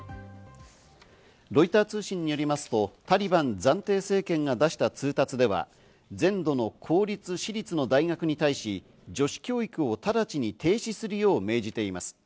ロイター通信によりますと、タリバン暫定政権が出した通達では、全土の公立・私立の大学に対し、女子教育を直ちに停止するよう命じています。